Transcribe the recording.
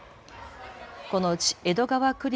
このうち江戸川区立